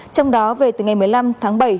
trong đó về từ ngày một mươi năm tháng bảy